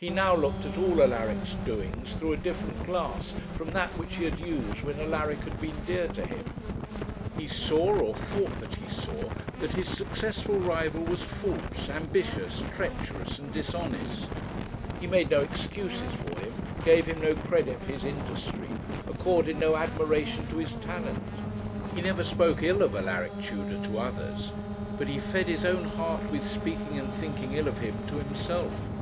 He now looked at all Alaric's doings through a different glass from that which he had used when Alaric had been dear to him. He saw, or thought that he saw, that his successful rival was false, ambitious, treacherous, and dishonest; he made no excuses for him, gave him no credit for his industry, accorded no admiration to his talent. He never spoke ill of Alaric Tudor, to others; but he fed his own heart with speaking and thinking ill of him to himself.